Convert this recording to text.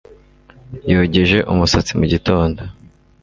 Yogeje umusatsi mugitondo